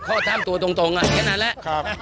ข้อทรัพย์ตัวตรงแค่นั้นแหละ